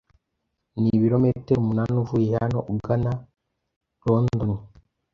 Nibirometero umunani uvuye hano ugana London.